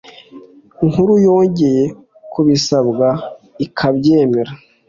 Nkuru yongeye kubisabwa ikabyemera